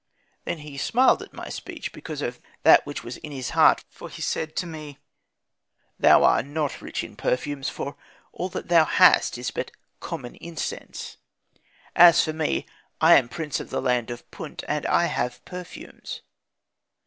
"Then he smiled at my speech, because of that which was in his heart, for he said to me, 'Thou art not rich in perfumes, for all that thou hast is but common incense. As for me I am prince of the land of Punt, and I have perfumes.